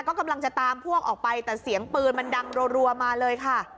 ก็กำลังจะตามพวกออกไปแต่เสียงปืนมันดังรัวมาเลยค่ะ